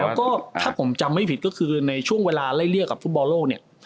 แล้วก็ถ้าผมจำไม่ผิดก็คือในช่วงเวลาไล่เรียกกับฟุตบอลโลกเนี่ย